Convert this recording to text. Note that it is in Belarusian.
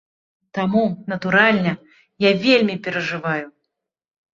Таму, натуральна, я вельмі перажываю.